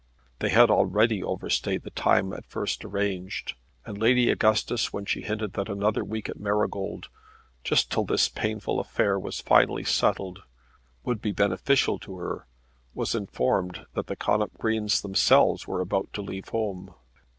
They had already overstaid the time at first arranged, and Lady Augustus, when she hinted that another week at Marygold, "just till this painful affair was finally settled," would be beneficial to her, was informed that the Connop Greens themselves were about to leave home.